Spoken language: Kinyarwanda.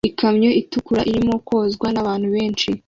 Ikamyo itukura irimo kozwa n'abantu benshi